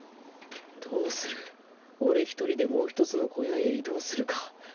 どうする俺１人でもう１つの小屋へ移動するか？